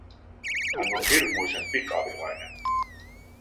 Hän on hirmuisen pikavihainen.